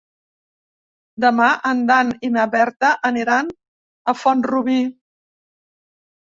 Demà en Dan i na Berta aniran a Font-rubí.